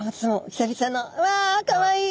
久々のうわかわいい。